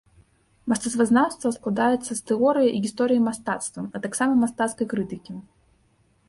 Мастацтвазнаўства складаецца з тэорыі і гісторыі мастацтва, а таксама мастацкай крытыкі.